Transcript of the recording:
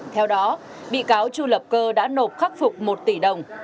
theo đó bị cáo chu lập cơ đã nộp khắc phục một tỷ đồng